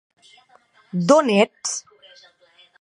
D'on ets?